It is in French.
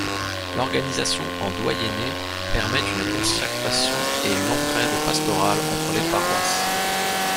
L’organisation en doyennés permet une concertation et une entraide pastorales entre les paroisses.